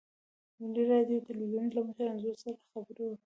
ملي راډیو تلویزیون له مشر انځور سره خبرې وکړې.